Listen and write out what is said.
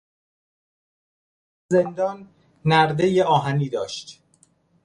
پنجرههای زندان نردهی آهنی داشت.